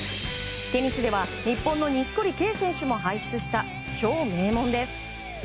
テニスでは日本の錦織圭選手も輩出した超名門です。